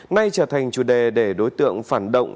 nay trở thành chủ đề để đối tượng phản động